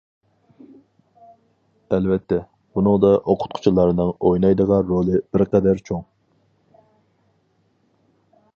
ئەلۋەتتە، بۇنىڭدا ئوقۇتقۇچىلارنىڭ ئوينايدىغان رولى بىر قەدەر چوڭ.